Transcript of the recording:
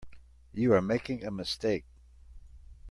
You are making a mistake.